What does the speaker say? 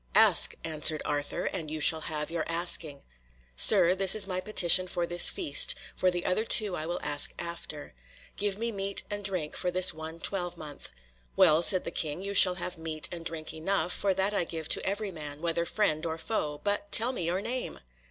"Ask," answered Arthur, "and you shall have your asking." "Sir, this is my petition for this feast, for the other two I will ask after. Give me meat and drink for this one twelvemonth." "Well," said the king, "you shall have meat and drink enough, for that I give to every man, whether friend or foe. But tell me your name!"